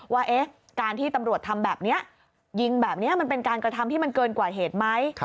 ว่าการที่ตำรวจทำแบบนี้ยิงแบบนี้มันเป็นการกระทำที่มันเกินกว่าเหตุไหม